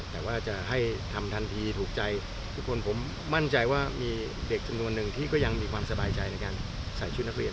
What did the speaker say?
แต่ว่าจะให้ทำทันทีถูกใจทุกคนผมมั่นใจว่ามีเด็กจำนวนหนึ่งที่ก็ยังมีความสบายใจในการใส่ชุดนักเรียน